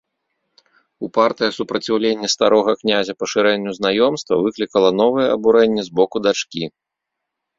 Упартае супраціўленне старога князя пашырэнню знаёмства выклікала новае абурэнне з боку дачкі.